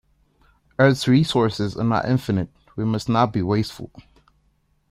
Earths resources are not infinite, we must not be wasteful.